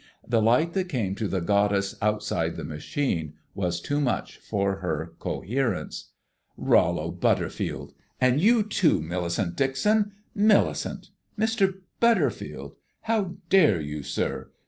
The light that came to the Goddess outside the Machine was too much for her coherence. "Rollo Butterfield and you, too, Millicent Dixon! Millicent Mr. Butterfield, how dare you, sir?